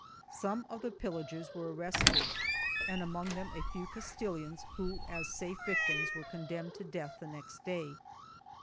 Some of the pillagers were arrested, and among them a few Castilians who, as safe victims, were con demned to death the next day.